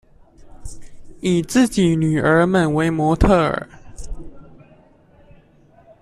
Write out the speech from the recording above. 以自己女兒們為模特兒